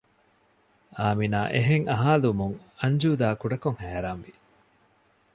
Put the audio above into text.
އާމިނާ އެހެން އަހާލުމުން އަންޖޫދާ ކުޑަކޮށް ހައިރާންވި